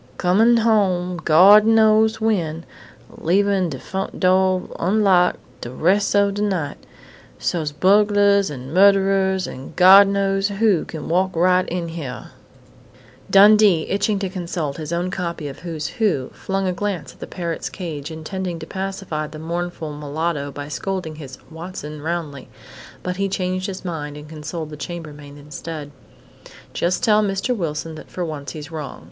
Comin' home Gawd knows when, leavin' de front do' unlocked de res' o' de night, so's bugglers and murderers and Gawd knows who could walk right in hyar " Dundee, itching to consult his own copy of "Who's Who", flung a glance at the parrot's cage, intending to pacify the mournful mulatto by scolding his "Watson" roundly. But he changed his mind and consoled the chambermaid instead: "Just tell Mr. Wilson that for once he's wrong.